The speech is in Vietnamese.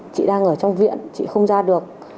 chị đang ở trong viện chị không ra được